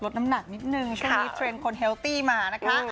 ช่วงนี้เทรนด์คนเฮลตี้มานะคะ